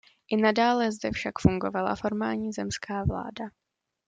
I nadále zde však fungovala formální zemská vláda.